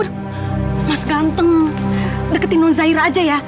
udah mas ganteng deketin nonzaira aja ya